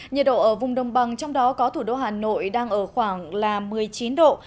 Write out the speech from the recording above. nhiệt độ ở vùng đông băng trong đó có thủ đô hà nội đang ở khoảng là một mươi chín độ